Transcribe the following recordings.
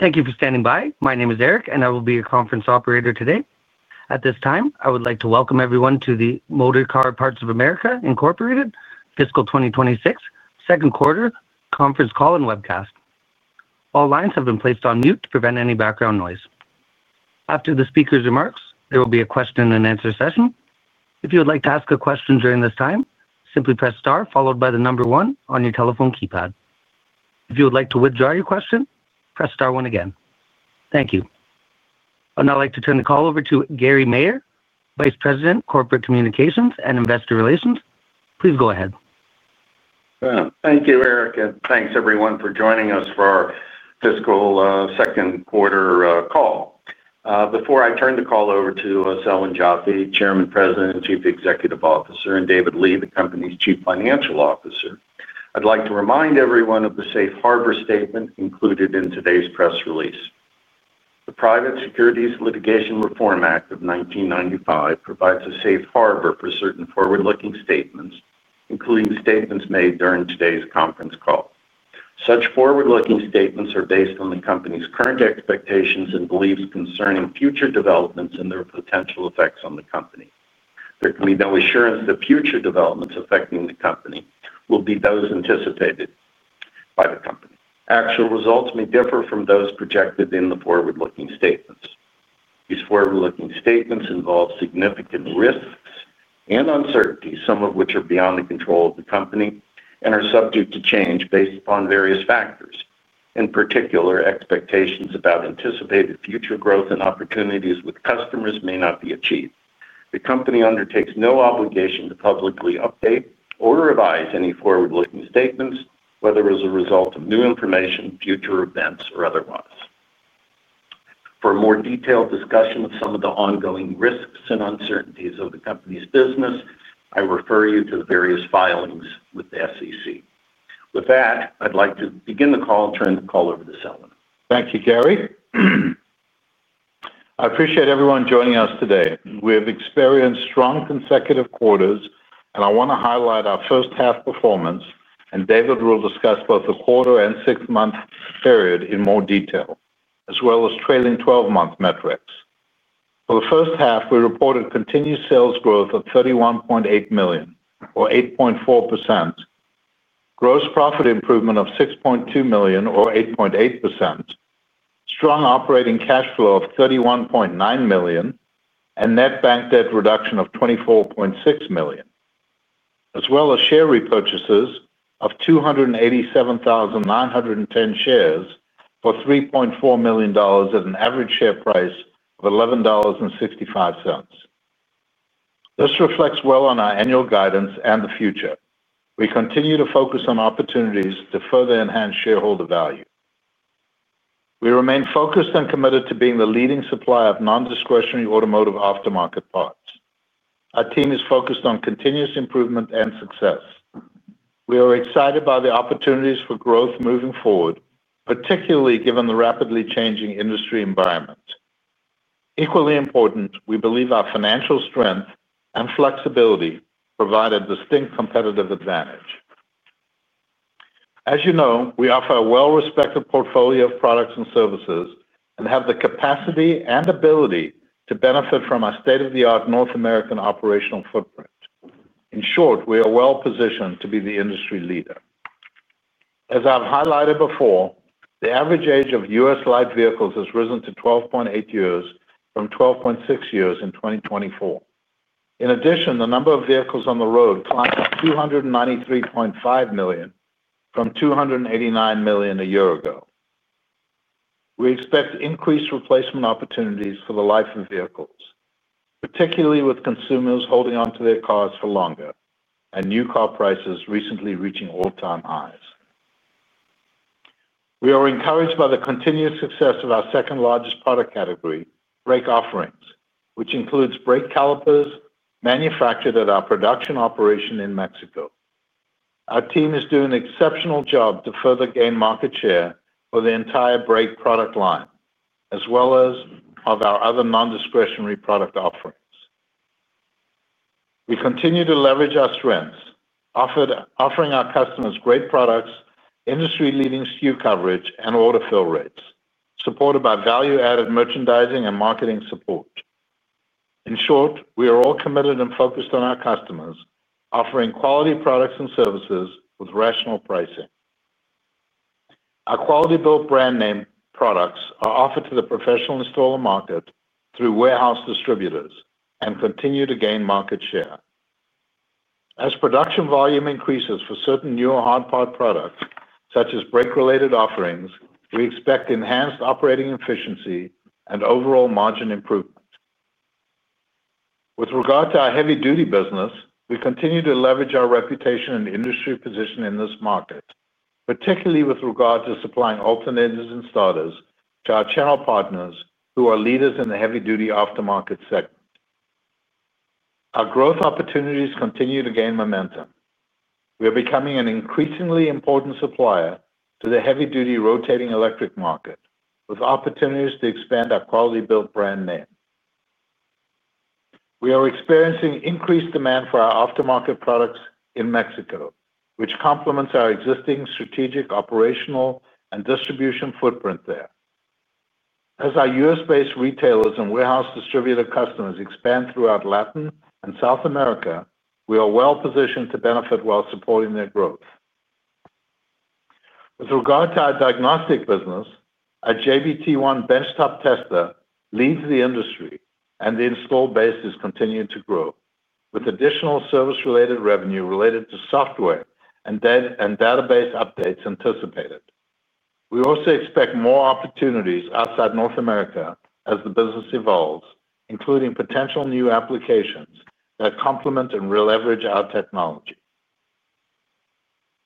Thank you for standing by. My name is Eric, and I will be your conference operator today. At this time, I would like to welcome everyone to the Motorcar Parts of America, fiscal 2026, second quarter conference call and webcast. All lines have been placed on mute to prevent any background noise. After the speaker's remarks, there will be a question-and-answer session. If you would like to ask a question during this time, simply press star followed by the number one on your telephone keypad. If you would like to withdraw your question, press star one again. Thank you. I'd now like to turn the call over to Gary Maier, Vice President, Corporate Communications and Investor Relations. Please go ahead. Thank you, Eric, and thanks everyone for joining us for our fiscal second quarter call. Before I turn the call over to Selwyn Joffe, Chairman, President, Chief Executive Officer, and David Lee, the Company's Chief Financial Officer, I'd like to remind everyone of the safe harbor statement included in today's press release. The Private Securities Litigation Reform Act of 1995 provides a safe harbor for certain forward-looking statements, including statements made during today's conference call. Such forward-looking statements are based on the Company's current expectations and beliefs concerning future developments and their potential effects on the Company. There can be no assurance that future developments affecting the Company will be those anticipated by the Company. Actual results may differ from those projected in the forward-looking statements. These forward-looking statements involve significant risks and uncertainties, some of which are beyond the control of the Company and are subject to change based upon various factors. In particular, expectations about anticipated future growth and opportunities with customers may not be achieved. The Company undertakes no obligation to publicly update or revise any forward-looking statements, whether as a result of new information, future events, or otherwise. For a more detailed discussion of some of the ongoing risks and uncertainties of the Company's business, I refer you to the various filings with the SEC. With that, I'd like to begin the call and turn the call over to Selwyn. Thank you, Gary. I appreciate everyone joining us today. We have experienced strong consecutive quarters, and I want to highlight our first half performance, and David will discuss both the quarter and six-month period in more detail, as well as trailing 12-month metrics. For the first half, we reported continued sales growth of $31.8 million, or 8.4%, gross profit improvement of $6.2 million, or 8.8%, strong operating cash flow of $31.9 million, and net bank debt reduction of $24.6 million, as well as share repurchases of 287,910 shares for $3.4 million at an average share price of $11.65. This reflects well on our annual guidance and the future. We continue to focus on opportunities to further enhance shareholder value. We remain focused and committed to being the leading supplier of non-discretionary automotive aftermarket parts. Our team is focused on continuous improvement and success. We are excited by the opportunities for growth moving forward, particularly given the rapidly changing industry environment. Equally important, we believe our financial strength and flexibility provide a distinct competitive advantage. As you know, we offer a well-respected portfolio of products and services and have the capacity and ability to benefit from our state-of-the-art North American operational footprint. In short, we are well positioned to be the industry leader. As I've highlighted before, the average age of U.S. light vehicles has risen to 12.8 years, from 12.6 years in 2024. In addition, the number of vehicles on the road climbed to 293.5 million, from 289 million a year ago. We expect increased replacement opportunities for the life of vehicles, particularly with consumers holding on to their cars for longer and new car prices recently reaching all-time highs. We are encouraged by the continued success of our second-largest product category, brake offerings, which includes brake calipers manufactured at our production operation in Mexico. Our team is doing an exceptional job to further gain market share for the entire brake product line, as well as of our other non-discretionary product offerings. We continue to leverage our strengths, offering our customers great products, industry-leading SKU coverage, and order fill rates, supported by value-added merchandising and marketing support. In short, we are all committed and focused on our customers, offering quality products and services with rational pricing. Our quality-built brand name products are offered to the professional installer market through warehouse distributors and continue to gain market share. As production volume increases for certain newer hard part products, such as brake-related offerings, we expect enhanced operating efficiency and overall margin improvement. With regard to our heavy-duty business, we continue to leverage our reputation and industry position in this market, particularly with regard to supplying alternators and starters to our channel partners who are leaders in the heavy-duty aftermarket segment. Our growth opportunities continue to gain momentum. We are becoming an increasingly important supplier to the heavy-duty rotating electric market, with opportunities to expand our quality-built brand name. We are experiencing increased demand for our aftermarket products in Mexico, which complements our existing strategic operational and distribution footprint there. As our US-based retailers and warehouse distributor customers expand throughout Latin and South America, we are well positioned to benefit while supporting their growth. With regard to our diagnostic business, our JBT1 benchtop tester leads the industry, and the install base is continuing to grow, with additional service-related revenue related to software and database updates anticipated. We also expect more opportunities outside North America as the business evolves, including potential new applications that complement and leverage our technology.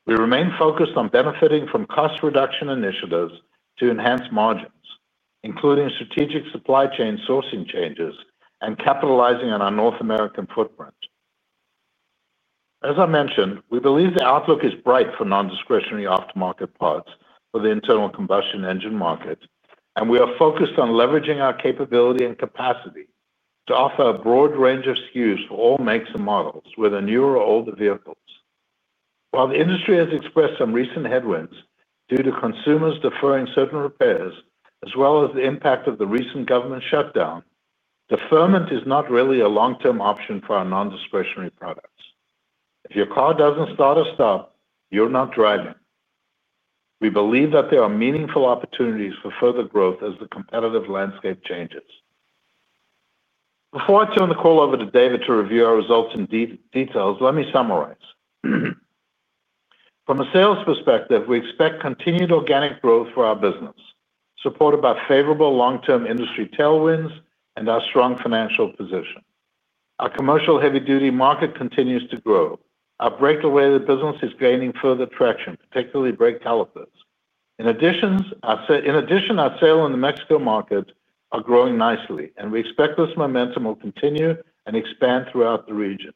We remain focused on benefiting from cost reduction initiatives to enhance margins, including strategic supply chain sourcing changes and capitalizing on our North American footprint. As I mentioned, we believe the outlook is bright for non-discretionary aftermarket parts for the internal combustion engine market, and we are focused on leveraging our capability and capacity to offer a broad range of SKUs for all makes and models with our newer or older vehicles. While the industry has expressed some recent headwinds due to consumers deferring certain repairs, as well as the impact of the recent government shutdown, deferment is not really a long-term option for our non-discretionary products. If your car doesn't start or stop, you're not driving. We believe that there are meaningful opportunities for further growth as the competitive landscape changes. Before I turn the call over to David to review our results in detail, let me summarize. From a sales perspective, we expect continued organic growth for our business, supported by favorable long-term industry tailwinds and our strong financial position. Our commercial heavy-duty market continues to grow. Our brake-related business is gaining further traction, particularly brake calipers. In addition, our sales in the Mexico market are growing nicely, and we expect this momentum will continue and expand throughout the region.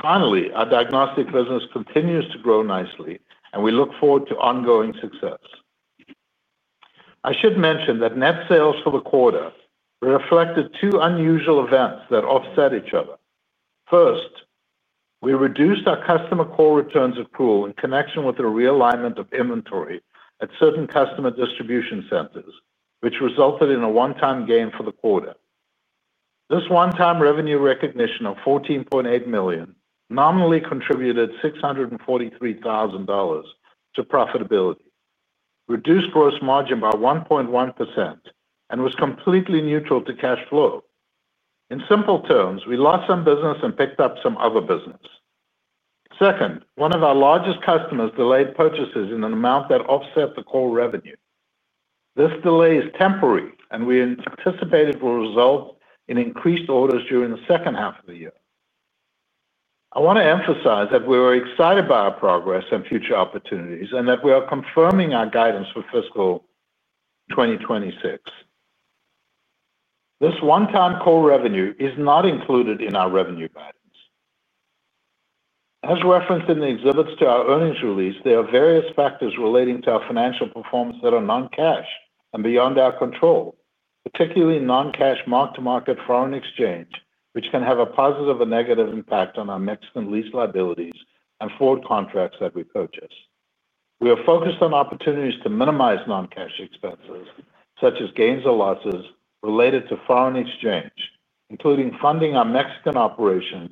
Finally, our diagnostic business continues to grow nicely, and we look forward to ongoing success. I should mention that net sales for the quarter reflected two unusual events that offset each other. First, we reduced our customer core returns accrual in connection with the realignment of inventory at certain customer distribution centers, which resulted in a one-time gain for the quarter. This one-time revenue recognition of $14.8 million nominally contributed $643,000 to profitability, reduced gross margin by 1.1%, and was completely neutral to cash flow. In simple terms, we lost some business and picked up some other business. Second, one of our largest customers delayed purchases in an amount that offset the core revenue. This delay is temporary, and we anticipate it will result in increased orders during the second half of the year. I want to emphasize that we are excited by our progress and future opportunities and that we are confirming our guidance for fiscal 2026. This one-time core revenue is not included in our revenue guidance. As referenced in the exhibits to our earnings release, there are various factors relating to our financial performance that are non-cash and beyond our control, particularly non-cash mark-to-market foreign exchange, which can have a positive or negative impact on our mix and lease liabilities and forward contracts that we purchase. We are focused on opportunities to minimize non-cash expenses, such as gains or losses related to foreign exchange, including funding our Mexican operations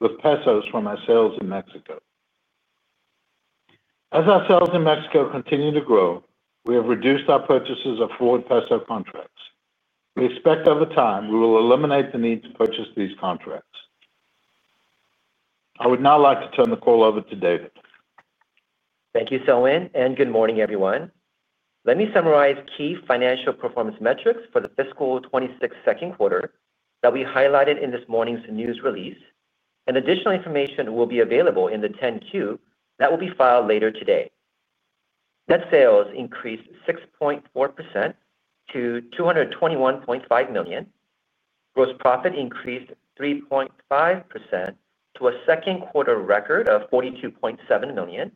with pesos from our sales in Mexico. As our sales in Mexico continue to grow, we have reduced our purchases of forward peso contracts. We expect over time we will eliminate the need to purchase these contracts. I would now like to turn the call over to David. Thank you, Selwyn, and good morning, everyone. Let me summarize key financial performance metrics for the fiscal 2026 second quarter that we highlighted in this morning's news release, and additional information will be available in the 10-Q that will be filed later today. Net sales increased 6.4% to $221.5 million. Gross profit increased 3.5% to a second quarter record of $42.7 million.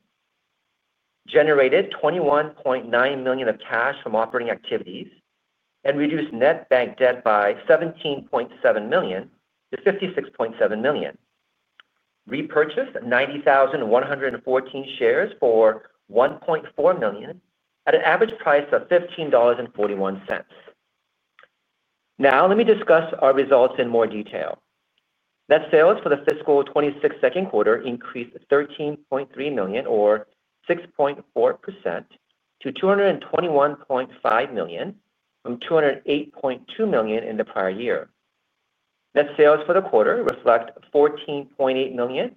Generated $21.9 million of cash from operating activities and reduced net bank debt by $17.7 million-$56.7 million. Repurchased 90,114 shares for $1.4 million at an average price of $15.41. Now, let me discuss our results in more detail. Net sales for the fiscal 2026 second quarter increased $13.3 million, or 6.4%, to $221.5 million from $208.2 million in the prior year. Net sales for the quarter reflect $14.8 million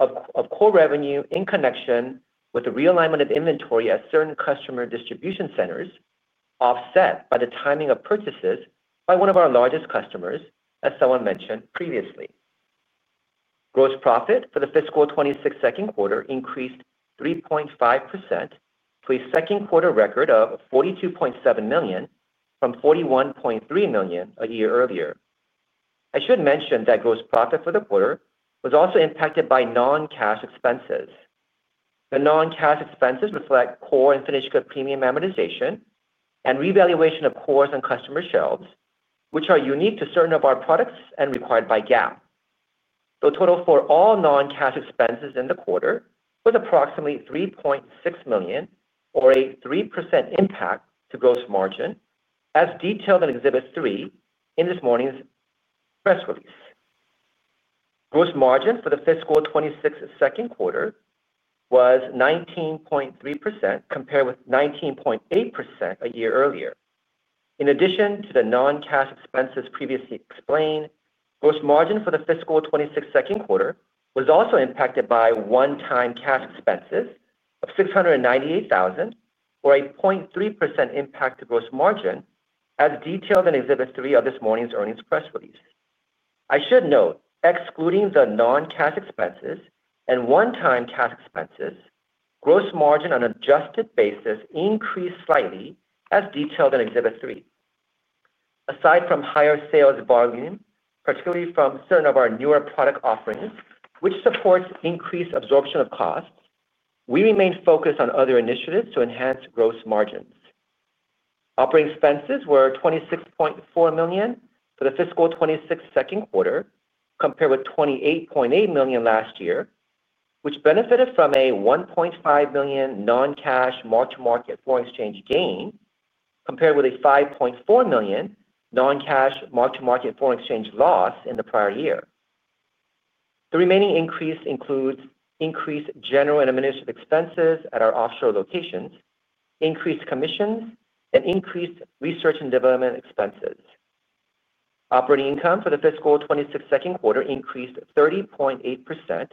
of core revenue in connection with the realignment of inventory at certain customer distribution centers, offset by the timing of purchases by one of our largest customers, as Selwyn mentioned previously. Gross profit for the fiscal 2026 second quarter increased 3.5% to a second quarter record of $42.7 million from $41.3 million a year earlier. I should mention that gross profit for the quarter was also impacted by non-cash expenses. The non-cash expenses reflect core and finished goods premium amortization and revaluation of cores on customer shelves, which are unique to certain of our products and required by GAAP. The total for all non-cash expenses in the quarter was approximately $3.6 million, or a 3% impact to gross margin, as detailed in Exhibit 3 in this morning's press release. Gross margin for the fiscal 2026 second quarter was 19.3%, compared with 19.8% a year earlier. In addition to the non-cash expenses previously explained, gross margin for the fiscal 2026 second quarter was also impacted by one-time cash expenses of $698,000, or a 0.3% impact to gross margin, as detailed in Exhibit 3 of this morning's earnings press release. I should note, excluding the non-cash expenses and one-time cash expenses, gross margin on an adjusted basis increased slightly, as detailed in Exhibit 3. Aside from higher sales volume, particularly from certain of our newer product offerings, which supports increased absorption of costs, we remain focused on other initiatives to enhance gross margins. Operating expenses were $26.4 million for the fiscal 2026 second quarter, compared with $28.8 million last year, which benefited from a $1.5 million non-cash mark-to-market foreign exchange gain, compared with a $5.4 million non-cash mark-to-market foreign exchange loss in the prior year. The remaining increase includes increased general and administrative expenses at our offshore locations, increased commissions, and increased research and development expenses. Operating income for the fiscal 2026 second quarter increased 30.8%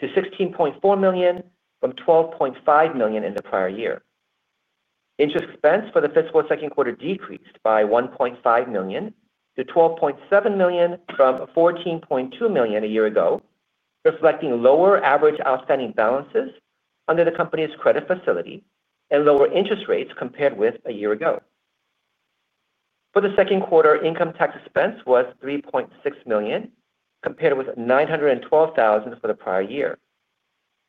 to $16.4 million from $12.5 million in the prior year. Interest expense for the fiscal second quarter decreased by $1.5 million-$12.7 million from $14.2 million a year ago, reflecting lower average outstanding balances under the company's credit facility and lower interest rates compared with a year ago. For the second quarter, income tax expense was $3.6 million, compared with $912,000 for the prior year.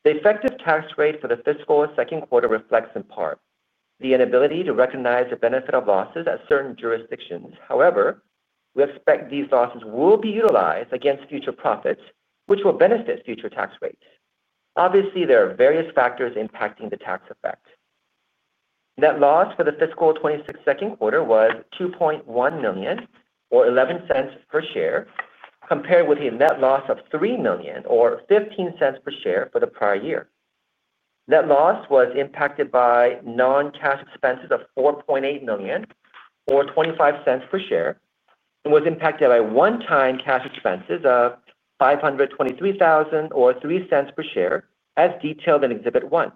The effective tax rate for the fiscal second quarter reflects in part the inability to recognize the benefit of losses at certain jurisdictions. However, we expect these losses will be utilized against future profits, which will benefit future tax rates. Obviously, there are various factors impacting the tax effect. Net loss for the fiscal 2026 second quarter was $2.1 million, or $0.11 per share, compared with a net loss of $3 million, or $0.15 per share for the prior year. Net loss was impacted by non-cash expenses of $4.8 million, or $0.25 per share, and was impacted by one-time cash expenses of $523,000, or $0.03 per share, as detailed in Exhibit 1.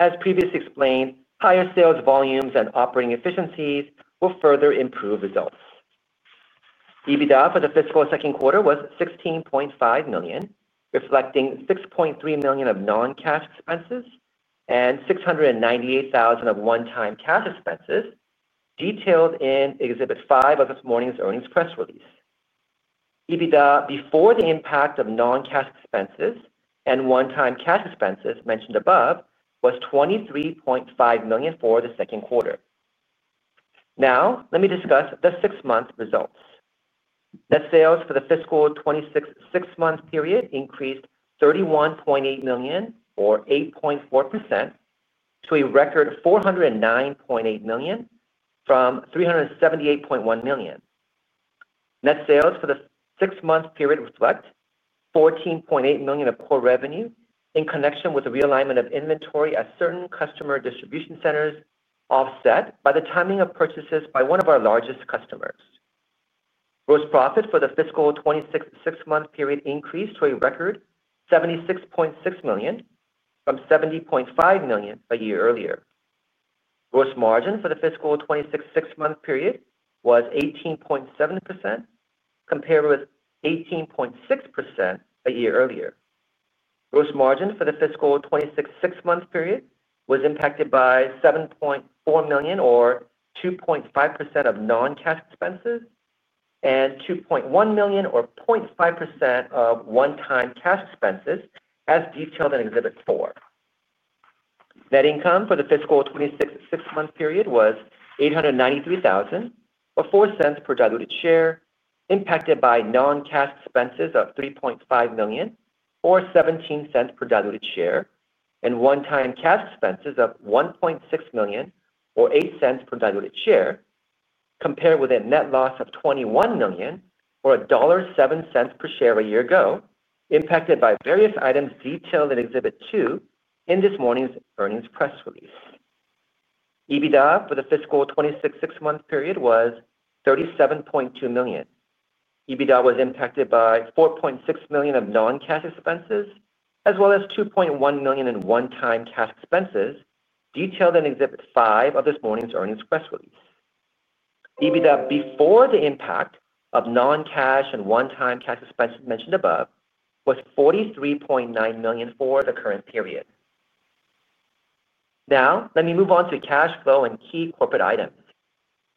As previously explained, higher sales volumes and operating efficiencies will further improve results. EBITDA for the fiscal second quarter was $16.5 million, reflecting $6.3 million of non-cash expenses and $698,000 of one-time cash expenses, detailed in Exhibit 5 of this morning's earnings press release. EBITDA before the impact of non-cash expenses and one-time cash expenses mentioned above was $23.5 million for the second quarter. Now, let me discuss the six-month results. Net sales for the fiscal 2026 six-month period increased $31.8 million, or 8.4%, to a record $409.8 million from $378.1 million. Net sales for the six-month period reflect $14.8 million of core revenue in connection with the realignment of inventory at certain customer distribution centers, offset by the timing of purchases by one of our largest customers. Gross profit for the fiscal 2026 six-month period increased to a record $76.6 million from $70.5 million a year earlier. Gross margin for the fiscal 2026 six-month period was 18.7%, compared with 18.6% a year earlier. Gross margin for the fiscal 2026 six-month period was impacted by $7.4 million, or 2.5% of non-cash expenses, and $2.1 million, or 0.5% of one-time cash expenses, as detailed in Exhibit 4. Net income for the fiscal 2026 six-month period was $893,000, or $0.04 per diluted share, impacted by non-cash expenses of $3.5 million, or $0.17 per diluted share, and one-time cash expenses of $1.6 million, or $0.08 per diluted share, compared with a net loss of $21 million, or $1.07 per share a year ago, impacted by various items detailed in Exhibit 2 in this morning's earnings press release. EBITDA for the fiscal 2026 six-month period was $37.2 million. EBITDA was impacted by $4.6 million of non-cash expenses, as well as $2.1 million in one-time cash expenses, detailed in Exhibit 5 of this morning's earnings press release. EBITDA before the impact of non-cash and one-time cash expenses mentioned above was $43.9 million for the current period. Now, let me move on to cash flow and key corporate items.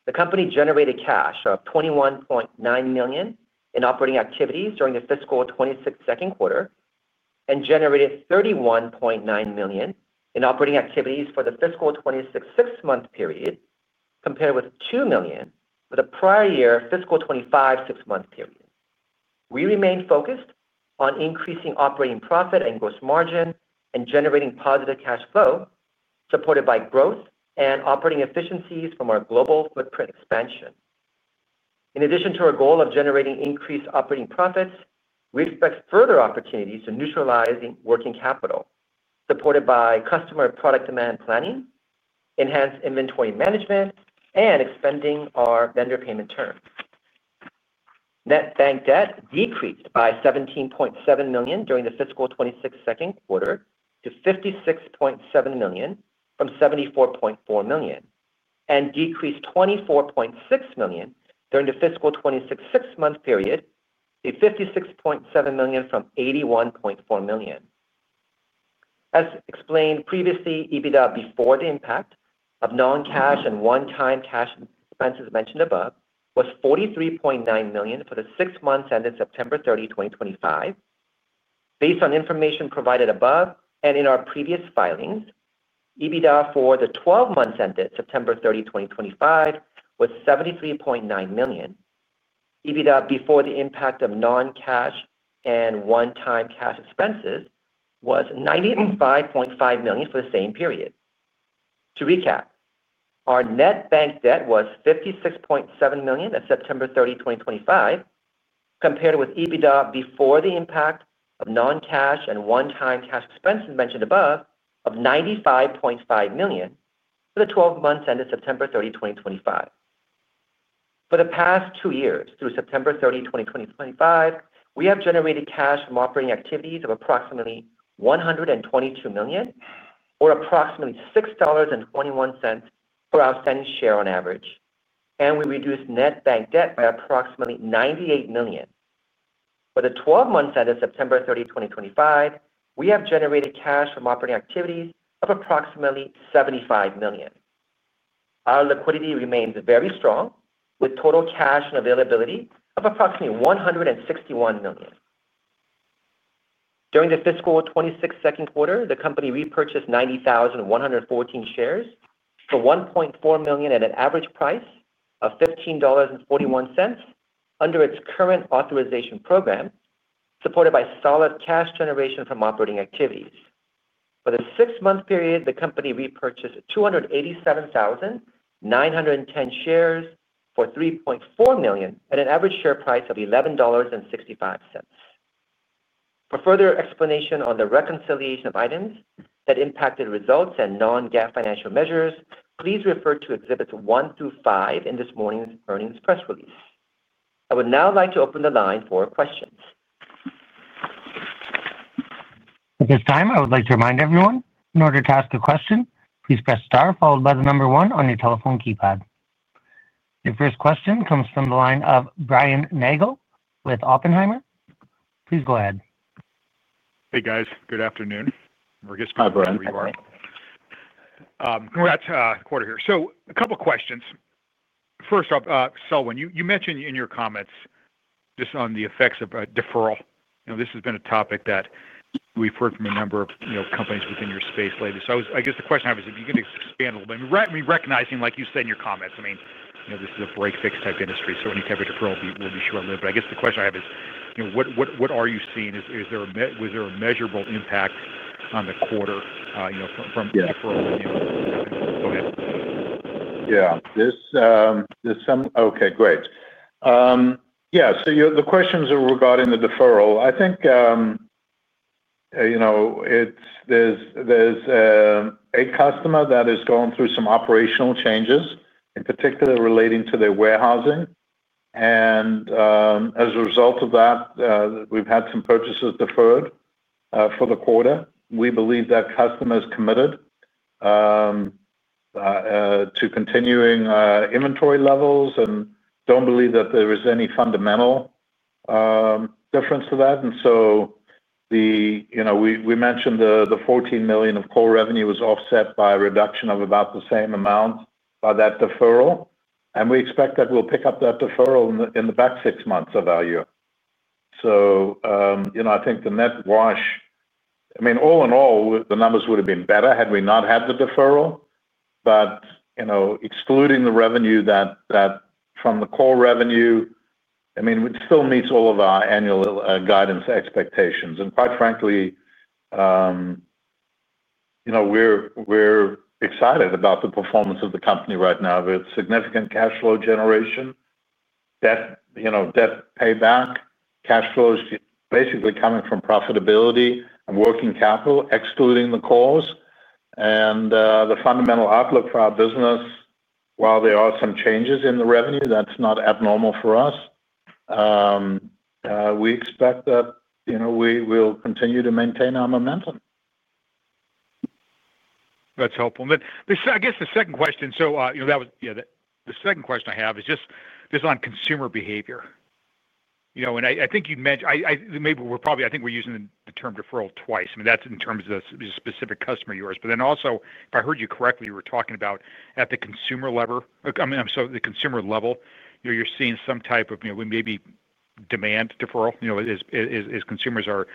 The company generated cash of $21.9 million in operating activities during the fiscal 2026 second quarter and generated $31.9 million in operating activities for the fiscal 2026 six-month period, compared with $2 million for the prior year fiscal 2025 six-month period. We remain focused on increasing operating profit and gross margin and generating positive cash flow, supported by growth and operating efficiencies from our global footprint expansion. In addition to our goal of generating increased operating profits, we expect further opportunities to neutralize working capital, supported by customer product demand planning, enhanced inventory management, and expanding our vendor payment terms. Net bank debt decreased by $17.7 million during the fiscal 2026 second quarter to $56.7 million from $74.4 million, and decreased $24.6 million during the fiscal 2026 six-month period to $56.7 million from $81.4 million. As explained previously, EBITDA before the impact of non-cash and one-time cash expenses mentioned above was $43.9 million for the six months ended September 30, 2025. Based on information provided above and in our previous filings, EBITDA for the twelve months ended September 30, 2025, was $73.9 million. EBITDA before the impact of non-cash and one-time cash expenses was $95.5 million for the same period. To recap, our net bank debt was $56.7 million at September 30, 2025, compared with EBITDA before the impact of non-cash and one-time cash expenses mentioned above of $95.5 million for the 12 months ended September 30, 2025. For the past two years, through September 30, 2025, we have generated cash from operating activities of approximately $122 million, or approximately $6.21 per outstanding share on average, and we reduced net bank debt by approximately $98 million. For the 12 months ended September 30, 2025, we have generated cash from operating activities of approximately $75 million. Our liquidity remains very strong, with total cash and availability of approximately $161 million. During the fiscal 2026 second quarter, the company repurchased 90,114 shares for $1.4 million at an average price of $15.41 under its current authorization program, supported by solid cash generation from operating activities. For the six-month period, the company repurchased 287,910 shares for $3.4 million at an average share price of $11.65. For further explanation on the reconciliation of items that impacted results and non-GAAP financial measures, please refer to Exhibits 1 through 5 in this morning's earnings press release. I would now like to open the line for questions. At this time, I would like to remind everyone, in order to ask a question, please press star followed by the number one on your telephone keypad. Your first question comes from the line of Brian Nagel with Oppenheimer. Please go ahead. Hey, guys. Good afternoon. We're just getting ready. Hi, Brian. Good morning. We're at quarter here. So a couple of questions. First off, Selwyn, you mentioned in your comments just on the effects of a deferral. This has been a topic that we've heard from a number of companies within your space lately. I guess the question I have is, if you can expand a little bit, recognizing, like you said in your comments, I mean, this is a break-fix type industry, so any type of deferral will be short-lived. I guess the question I have is, what are you seeing? Was there a measurable impact on the quarter from deferral? Go ahead. Yeah. Okay. Great. Yeah. The questions are regarding the deferral. I think there's a customer that is going through some operational changes, in particular relating to their warehousing. As a result of that, we've had some purchases deferred for the quarter. We believe that customer is committed to continuing inventory levels and do not believe that there is any fundamental difference to that. We mentioned the $14 million of core revenue was offset by a reduction of about the same amount by that deferral. We expect that we will pick up that deferral in the back six months of our year. I think the net wash, I mean, all in all, the numbers would have been better had we not had the deferral. Excluding the revenue from the core revenue, I mean, it still meets all of our annual guidance expectations. Quite frankly, we're excited about the performance of the company right now. We have significant cash flow generation, debt payback, cash flows basically coming from profitability and working capital, excluding the cores. The fundamental outlook for our business, while there are some changes in the revenue, that's not abnormal for us. We expect that we will continue to maintain our momentum. That's helpful. I guess the second question, so that was the second question I have is just on consumer behavior. I think you'd mentioned maybe we're probably, I think we're using the term deferral twice. I mean, that's in terms of the specific customer of yours. If I heard you correctly, you were talking about at the consumer level, I mean, I'm sorry, the consumer level, you're seeing some type of maybe demand deferral as consumers are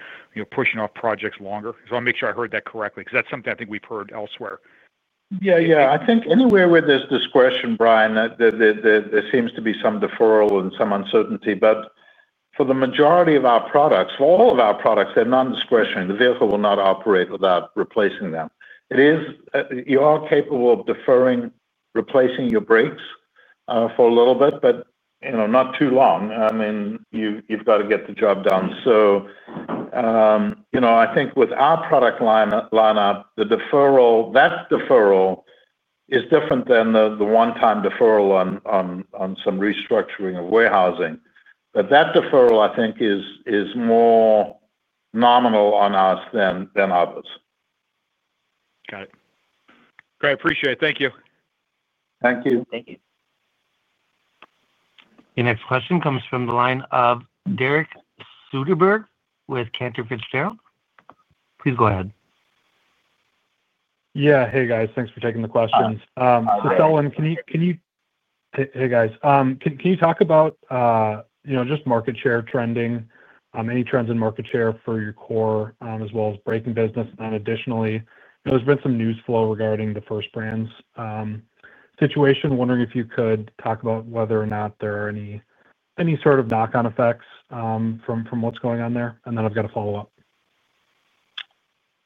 pushing off projects longer. I want to make sure I heard that correctly because that's something I think we've heard elsewhere. Yeah. I think anywhere where there's discretion, Bryan, there seems to be some deferral and some uncertainty. For the majority of our products, for all of our products, they're non-discretionary. The vehicle will not operate without replacing them. You are capable of deferring replacing your brakes for a little bit, but not too long. I mean, you've got to get the job done. I think with our product lineup, that deferral is different than the one-time deferral on some restructuring of warehousing. That deferral, I think, is more nominal on us than others. Got it. Great. I appreciate it. Thank you. Thank you. Thank you. Your next question comes from the line of Derek Soderberg with Cantor Fitzgerald. Please go ahead. Yeah. Hey, guys. Thanks for taking the questions. Selwyn, can you—hey, guys. Can you talk about just market share trending, any trends in market share for your core as well as braking business? Additionally, there's been some news flow regarding the First Brands situation. Wondering if you could talk about whether or not there are any sort of knock-on effects from what's going on there. And then I've got a follow-up.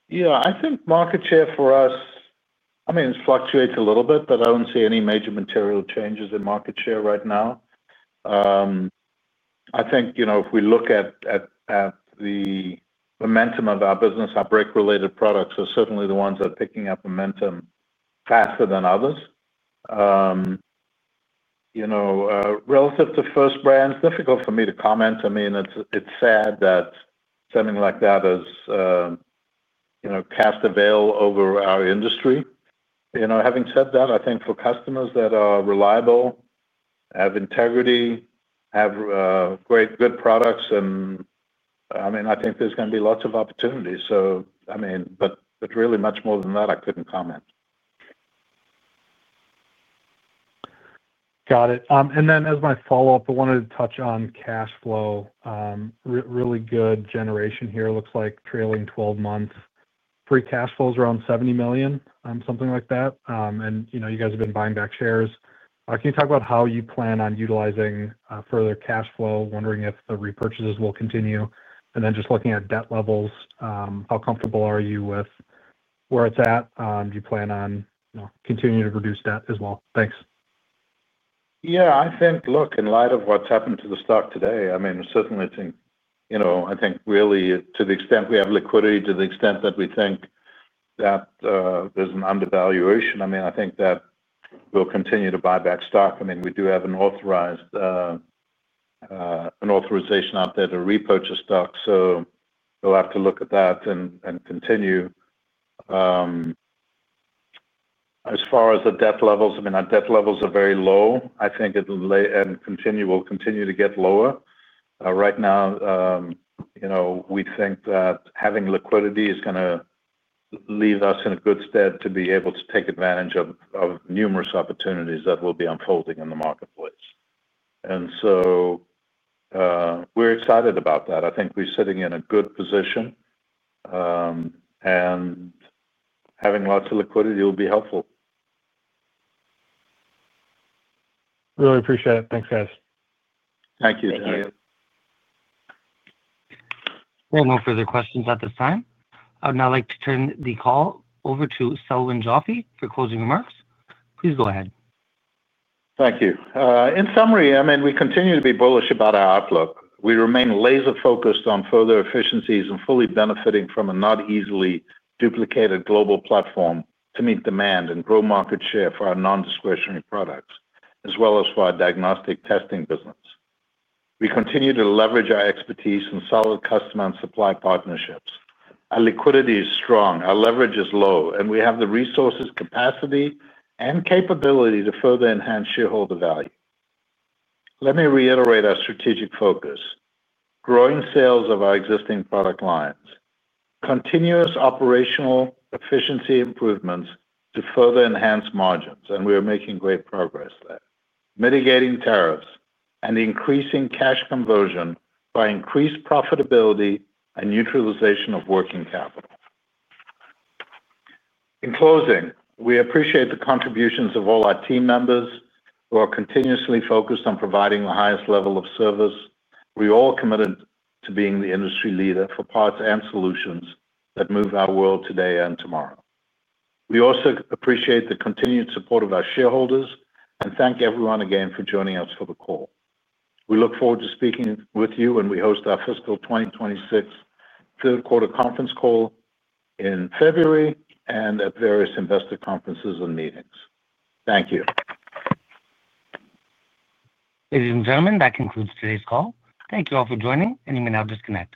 Yeah. I think market share for us, I mean, it fluctuates a little bit, but I don't see any major material changes in market share right now. I think if we look at the momentum of our business, our brake-related products are certainly the ones that are picking up momentum faster than others. Relative to First Brands, difficult for me to comment. I mean, it's sad that something like that is cast a veil over our industry. Having said that, I think for customers that are reliable, have integrity, have great good products, and I mean, I think there's going to be lots of opportunities. Really much more than that, I couldn't comment. Got it. And then as my follow-up, I wanted to touch on cash flow. Really good generation here. Looks like trailing 12 months. Pre-cash flow is around $70 million, something like that. And you guys have been buying back shares. Can you talk about how you plan on utilizing further cash flow? Wondering if the repurchases will continue. And then just looking at debt levels, how comfortable are you with where it's at? Do you plan on continuing to reduce debt as well? Thanks. Yeah. I think, look, in light of what's happened to the stock today, I mean, certainly I think really to the extent we have liquidity, to the extent that we think that there's an undervaluation, I mean, I think that we'll continue to buy back stock. I mean, we do have an authorization out there to repurchase stock, so we'll have to look at that and continue. As far as the debt levels, I mean, our debt levels are very low. I think it will continue to get lower. Right now, we think that having liquidity is going to leave us in a good stead to be able to take advantage of numerous opportunities that will be unfolding in the marketplace. We are excited about that. I think we are sitting in a good position, and having lots of liquidity will be helpful. Really appreciate it. Thanks, guys. Thank you. Thank you. We will move further questions at this time. I would now like to turn the call over to Selwyn Joffe for closing remarks. Please go ahead. Thank you. In summary, I mean, we continue to be bullish about our outlook. We remain laser-focused on further efficiencies and fully benefiting from a not-easily-duplicated global platform to meet demand and grow market share for our non-discretionary products, as well as for our diagnostic testing business. We continue to leverage our expertise and solid customer and supply partnerships. Our liquidity is strong. Our leverage is low, and we have the resources, capacity, and capability to further enhance shareholder value. Let me reiterate our strategic focus: growing sales of our existing product lines, continuous operational efficiency improvements to further enhance margins, and we are making great progress there, mitigating tariffs and increasing cash conversion by increased profitability and neutralization of working capital. In closing, we appreciate the contributions of all our team members who are continuously focused on providing the highest level of service. We are all committed to being the industry leader for parts and solutions that move our world today and tomorrow. We also appreciate the continued support of our shareholders and thank everyone again for joining us for the call. We look forward to speaking with you, and we host our fiscal 2026 third-quarter conference call in February and at various investor conferences and meetings. Thank you. Ladies and gentlemen, that concludes today's call. Thank you all for joining, and you may now disconnect.